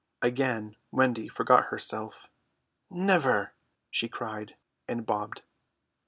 Again Wendy forgot herself. "Never!" she cried, and bobbed.